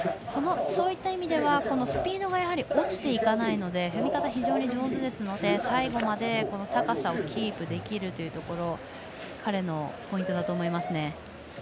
そういった意味ではスピードが落ちていかないので踏み方が非常に上手なので最後まで高さをキープできるところが彼のポイントだと思います。